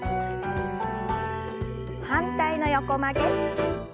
反対の横曲げ。